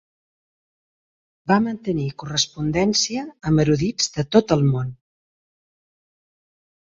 Va mantenir correspondència amb erudits de tot el món.